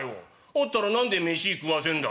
あったら何で飯食わせんだ？」。